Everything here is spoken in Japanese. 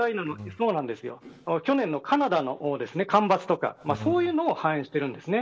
去年のカナダの干ばつとかそういうのを反映しているんです。